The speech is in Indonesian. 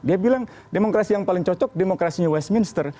dia bilang demokrasi yang paling cocok demokrasinya westminster